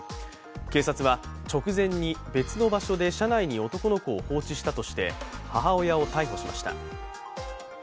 警察は直前に別の場所で車内に男の子を放置したとして母親を逮捕しました。